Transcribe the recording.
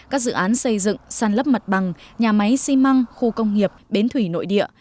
các dự án xây dựng sàn lấp mặt bằng nhà máy xi măng khu công nghiệp bến thủy nội địa